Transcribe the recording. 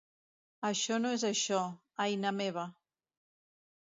Això no és això, Aina meva!